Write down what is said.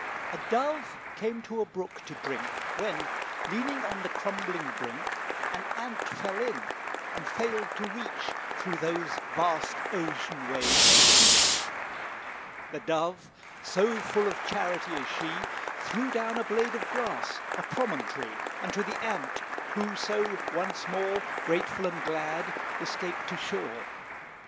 A Dove came to a brook to drink, When, leaning on the crumbling brink, An Ant fell in, and failed to reach, Through those vast ocean waves, the beach. The Dove, so full of charity is she, Threw down a blade of grass, a promontory, Unto the Ant, who so once more, Grateful and glad, escaped to shore.